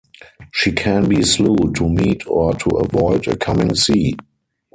She can be slewed to meet or to avoid a coming sea.